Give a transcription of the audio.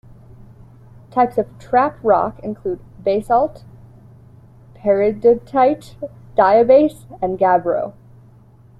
Types of trap rock include basalt, peridotite, diabase, and gabbro.